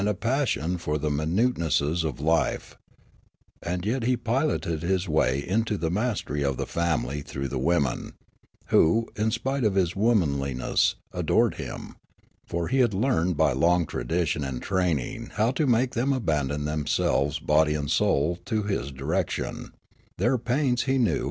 a passion for the minutenesses of life ; and yet he piloted his way into the master}^ of the family through the women, who, in spite of his womanliness, adored him ; for he had learned by long tradition and training how to make them abandon themselves body and soul to his direc tion ; their pains he knen